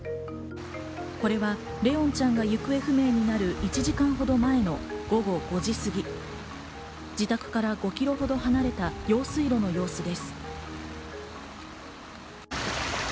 これは怜音ちゃんが行方不明になる１時間ほど前の午後５時過ぎ、自宅から５キロほど離れた用水路の様子です。